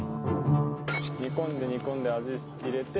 煮込んで煮込んで味入れて。